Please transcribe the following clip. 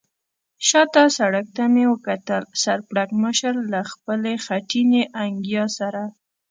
شا ته سړک ته مې وکتل، سر پړکمشر له خپلې خټینې انګیا سره.